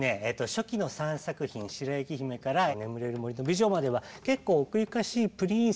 初期の３作品「白雪姫」から「眠れる森の美女」までは結構奥ゆかしいプリンセスのね